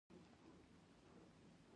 گرمۍ بيخي بلا کړې وه.